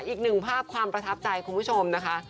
อีกหนึ่งภาพความประทับใจคุณผู้ชมนะคะ